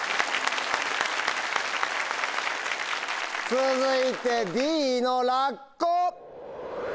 続いてＤの「ラッコ」。